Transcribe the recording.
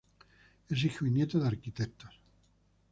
Es hijo y nieto de arquitectos.